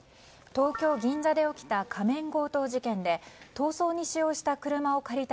東京・銀座で起きた仮面強盗事件で逃走に使用した車を借りた